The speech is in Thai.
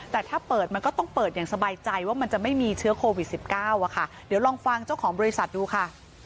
แต่ถ้าเปิดมันก็ต้องเปิดอย่างสบายใจว่ามันจะไม่มีเชื้อโควิด๑๙อะค่ะเดี๋ยวลองฟังเจ้าของบริษัทดูค่ะ